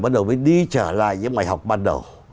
bắt đầu đi trở lại những ngày học ban đầu